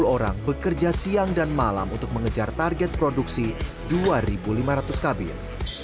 satu ratus lima puluh orang bekerja siang dan malam untuk mengejar target produksi dua lima ratus kabin